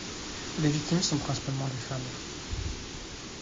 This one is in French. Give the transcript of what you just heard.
Les victimes sont principalement des femmes.